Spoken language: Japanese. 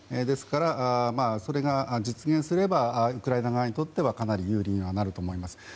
ですからそれが実現すればウクライナ側にとってはかなり有利になると思います。